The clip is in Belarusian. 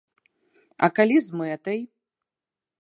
А калі з мэтай?